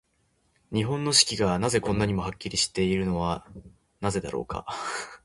日本の四季が、こんなにもはっきりしているのはなぜだろうか。